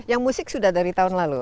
yang musik sudah dari tahun lalu